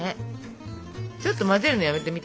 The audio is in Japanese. ちょっと混ぜるのやめてみて。